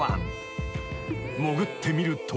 ［潜ってみると］